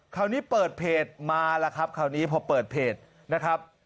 คราวนี้เปิดเพจมาแล้วครับคราวนี้พอเปิดเพจนะครับ